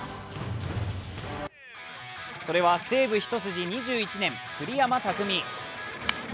それは西武一筋２１年栗山巧。